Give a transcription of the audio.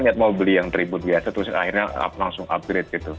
lihat mau beli yang tribut biasa terus akhirnya langsung upgrade gitu